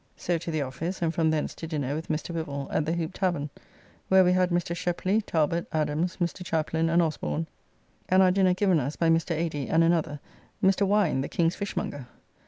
So to the office, and from thence to dinner with Mr. Wivell at the Hoop Tavern, where we had Mr. Shepley, Talbot, Adams, Mr. Chaplin and Osborne, and our dinner given us by Mr. Ady and another, Mr. Wine, the King's fishmonger.